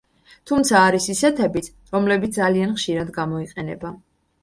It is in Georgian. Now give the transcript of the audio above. თუმცა არის ისეთებიც, რომლებიც ძალიან ხშირად გამოიყენება.